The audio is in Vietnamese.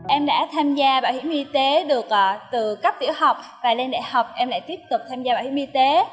em đã tham gia bảo hiểm y tế được từ cấp tiểu học và lên đại học em lại tiếp tục tham gia bảo hiểm y tế